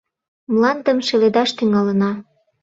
Мландым шеледаш тӱҥалына!